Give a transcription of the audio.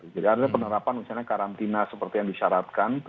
jadi ada penerapan misalnya karantina seperti yang disyaratkan